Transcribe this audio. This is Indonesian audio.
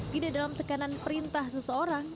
tidak dalam tekanan perintah seseorang